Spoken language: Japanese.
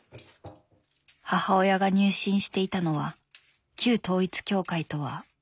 母親が入信していたのは旧統一教会とは別の教団だ。